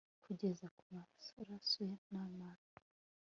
kugeza ku maraso n'amara